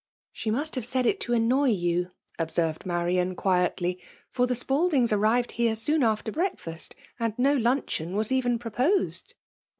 *'*' She must have said it to annoy you> ob served Marian, quietly ;for the Spaldings arrived here soon after. breakfitst, and no lun*' cheon was .even proposed."